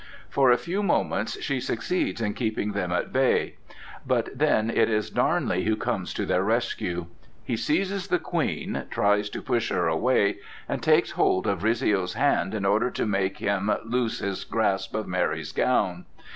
For a few moments she succeeds in keeping them at bay; but then it is Darnley who comes to their rescue. He seizes the Queen, tries to push her away, and takes hold of Rizzio's hand in order to make him loose his grasp of Mary's gown.